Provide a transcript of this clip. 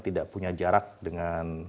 tidak punya jarak dengan